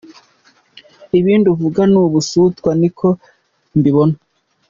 Ibindi uvuga ni ubusutwa niko mbibona.